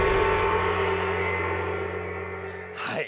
はい。